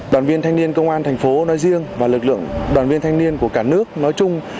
đoàn viên thanh niên công an thành phố nói riêng và lực lượng đoàn viên thanh niên của cả nước nói chung